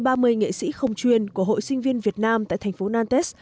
đầu tiên số ba mươi nghệ sĩ không truyền của hội sinh viên việt nam tại thành phố nantes